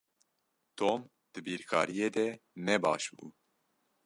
Tom di bîrkariyê de ne baş bû.